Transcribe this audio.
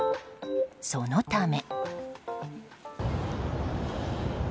そのため。